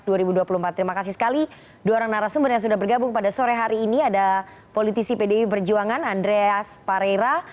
terima kasih sekali dua orang narasumber yang sudah bergabung pada sore hari ini ada politisi pdi perjuangan andreas pareira